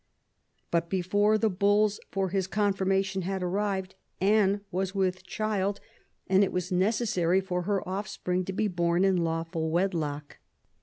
But before the bulls for his confirmation had arrived, Anne was with child, and it was necessary THE YOUTH OF ELIZAB^TH. 3 for her offspring to be bom in lawful wedlock.